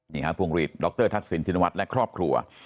นี่ครับพวงหลีดดรทักษิณชินวัฒน์และครอบครัว